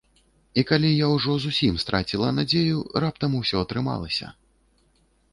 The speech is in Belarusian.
І калі я ўжо зусім страціла надзею, раптам ўсё атрымалася!